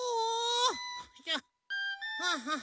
はあはあ。